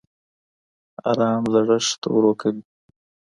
ارام زړښت ورو کوي